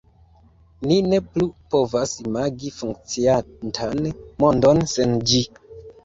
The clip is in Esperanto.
Ni ne plu povas imagi funkciantan mondon sen ĝi.